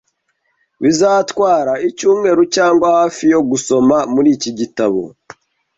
Bizatwara icyumweru cyangwa hafi yo gusoma muri iki gitabo